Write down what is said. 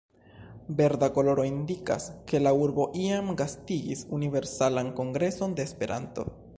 Verda koloro indikas, ke la urbo iam gastigis Universalan Kongreson de Esperanto.